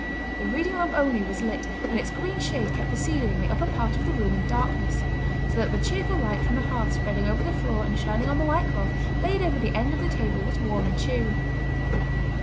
The reading lamp only was lit and its green shade kept the ceiling and the upper part of the room in darkness, so that the cheerful light from the hearth spreading over the floor and shining on the white cloth laid over the end of the table was warm and cheery.